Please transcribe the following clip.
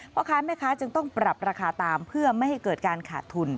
พ่อค้าแม่ค้าจึงต้องปรับราคาตามเพื่อไม่ให้เกิดการขาดทุน